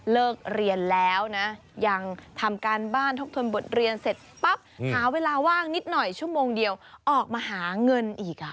เลิกเรียนแล้วนะยังทำการบ้านทบทวนบทเรียนเสร็จปั๊บหาเวลาว่างนิดหน่อยชั่วโมงเดียวออกมาหาเงินอีก